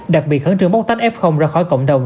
đặc biệt khẩn trương bóc tách f ra khỏi cộng đồng